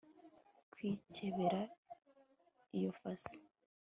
Rwikebera iyo fasi